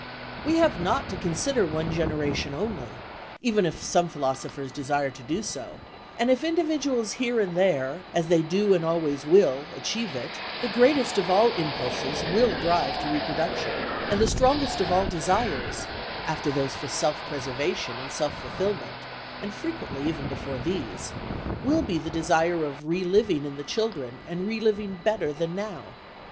We have not to consider one generation only; even if some philosophers desire to do so, and if individuals here and there, as they do and always will, achieve it, the greatest of all impulses will drive to reproduction, and the strongest of all desires, after those for self preservation and self fulfilment (and frequently even before these), will be the desire of re living in the children and re living better than now.